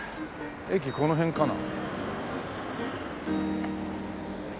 駅この辺かな？